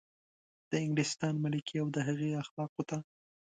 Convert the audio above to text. د انګلستان ملکې او د هغې اخلافو ته.